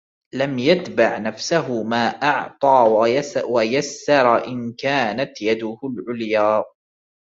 لَمْ يَتْبَعْ نَفْسَهُ مَا أَعْطَى وَيَسَّرَ إنْ كَانَتْ يَدُهُ الْعُلْيَا